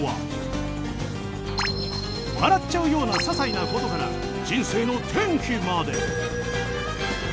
笑っちゃうようなささいなことから人生の転機まで。